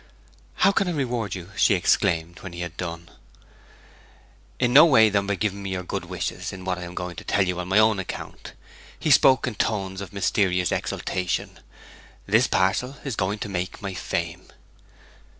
'How can I reward you!' she exclaimed, when he had done. 'In no way but by giving me your good wishes in what I am going to tell you on my own account.' He spoke in tones of mysterious exultation. 'This parcel is going to make my fame!'